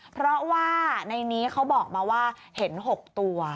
เพราะว่าในนี้เขาบอกมาว่าเห็น๖ตัว